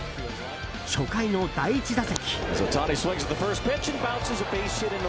初回の第１打席。